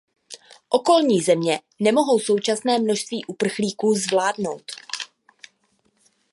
Okolní země nemohou současné množství uprchlíků zvládnout.